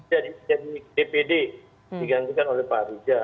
jadi dpd digantikan oleh pak riza